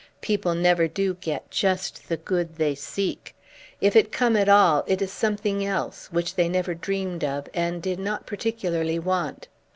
People never do get just the good they seek. If it come at all, it is something else, which they never dreamed of, and did not particularly want.